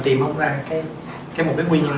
tìm không ra một nguyên nhân